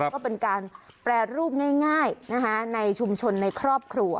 ก็เป็นการแปรรูปง่ายในชุมชนในครอบครัว